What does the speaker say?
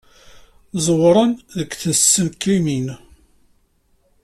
Ẓewren deg tsenselkimt.